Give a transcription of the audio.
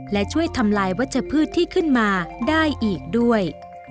และช่วยทำลายวัชพืชที่ขึ้นมาได้อีกด้วย